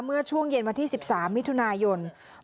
เมื่อช่วงเย็นวันที่๑๓มิถุนายน